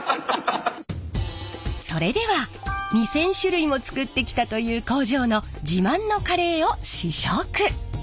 それでは２，０００種類も作ってきたという工場の自慢のカレーを試食。